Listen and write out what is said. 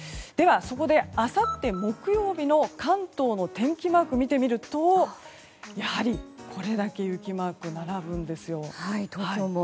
そこで、あさって木曜日の関東の天気マークを見るとやはり、これだけ雪マーク並ぶんですよ。